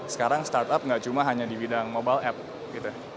sekarang startup nggak cuma hanya di bidang mobile app gitu